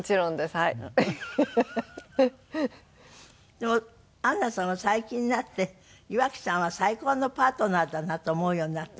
でもアンナさんは最近になって岩城さんは最高のパートナーだなと思うようになった？